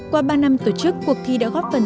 qua ba năm tổ chức cuộc thi đã góp phần